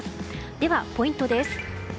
では、ポイントです。